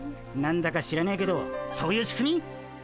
なんだか知らねえけどそういう仕組み？